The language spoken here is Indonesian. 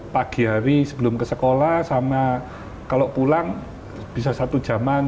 pagi hari sebelum ke sekolah sama kalau pulang bisa satu jaman